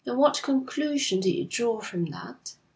'And what conclusion do you draw from that?'